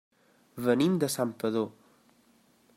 Venim de Santpedor.